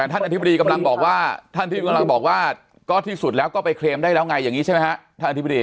ท่านอธิบดีกำลังบอกว่าท่านที่กำลังบอกว่าก็ที่สุดแล้วก็ไปเคลมได้แล้วไงอย่างนี้ใช่ไหมฮะท่านอธิบดี